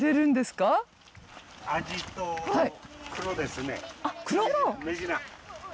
はい。